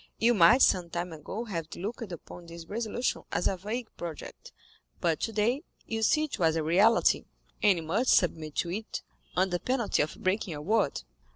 You might some time ago have looked upon this resolution as a vague project, but today you see it was a reality, and you must submit to it under penalty of breaking your word."